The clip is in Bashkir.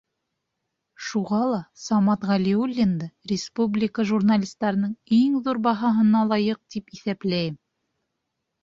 Шуға ла Самат Ғәлиуллинды республика журналистарының иң ҙур баһаһына лайыҡ тип иҫәпләйем.